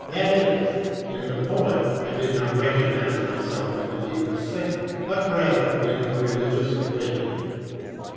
That is, in the 'poet' I did not recognize myself in the deepest sense; but rather in the religious awakening."